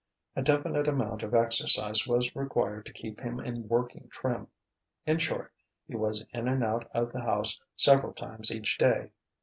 A definite amount of exercise was required to keep him in working trim. In short, he was in and out of the house several times each day.